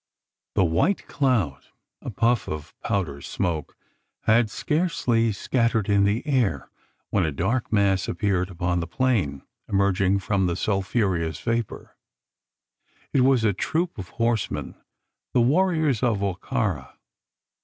The white cloud a puff of powder smoke had scarcely scattered in the air, when a dark mass appeared upon the plain, emerging from the sulphureous vapour. It was a troop of horsemen the warriors of Wa ka ra.